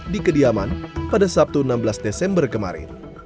di kediaman pada sabtu enam belas desember kemarin